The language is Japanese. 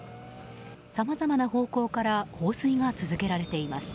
さまざまな方向から放水が続けられています。